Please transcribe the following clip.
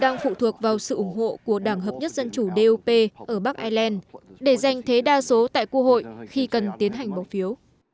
đang phụ thuộc vào sự ủng hộ của đảng hợp nhất dân chủ ở bắc ireland để giành thế đa số tại quốc hội khi cần tiến hành bỏ phiếu